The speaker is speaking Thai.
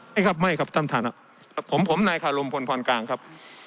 ไม่ครับไม่ครับท่านท่านครับผมผมนายคารมพลพรกลางครับ